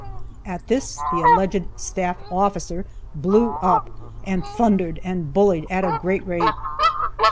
At this the alleged "staff officer" blew up, and thundered and bullied at a great rate.